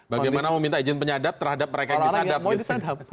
bagaimana mau minta izin penyadap terhadap mereka yang disadap